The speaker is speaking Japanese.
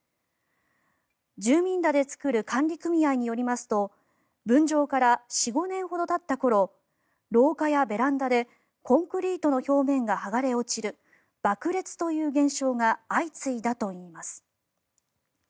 住人らで作る管理組合によりますと分譲から４５年ほどたった頃廊下やベランダでコンクリートの表面が剥がれ落ちる爆裂という現象が相次いだといいます。